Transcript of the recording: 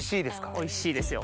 おいしいですよ。